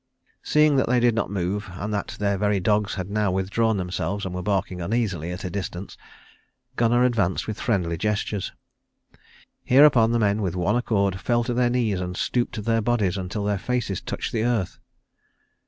Seeing that they did not move, and that their very dogs had now withdrawn themselves and were barking uneasily at a distance, Gunnar advanced with friendly gestures. Hereupon the men with one accord fell to their knees and stooped their bodies until their faces touched the earth.